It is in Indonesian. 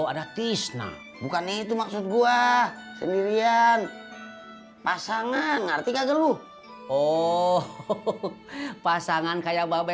ada tisna bukan itu maksud gua sendirian pasangan ngerti kagak lu oh pasangan kayak